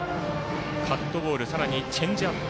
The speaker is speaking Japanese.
カットボールさらにチェンジアップ。